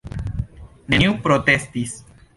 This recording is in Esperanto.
Neniu protestis.